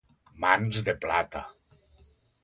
Mans de plata.